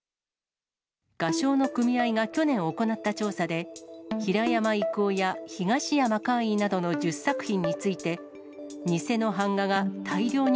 画商の組合が去年行った調査で、平山郁夫や東山魁夷などの１０作品について、偽の版画が大量に。